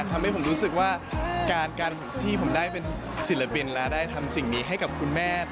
ทำให้ผมรู้สึกว่าการที่ผมได้เป็นศิลปินและได้ทำสิ่งนี้ให้กับคุณแม่